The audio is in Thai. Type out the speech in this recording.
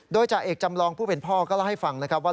โดยจ่าเอกจำลองผู้เป็นพ่อก็เล่าให้ฟังนะครับว่า